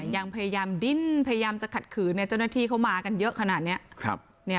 ยังพยายามดิ้นพยายามจะขัดขืนเจ้าหน้าที่เข้ามากันเยอะขนาดนี้